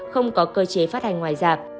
không có cơ chế phát hành ngoài giả